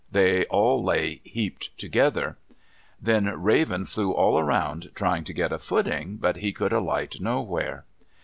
They all lay heaped together. Then Raven flew all about trying to get a footing, but he could alight nowhere.